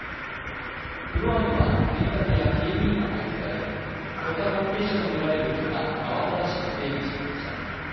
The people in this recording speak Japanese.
フロアにはついたてや警備員が配置され捜査関係者とみられる人が慌ただしく出入りしていました。